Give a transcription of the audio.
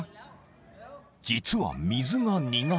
［実は水が苦手］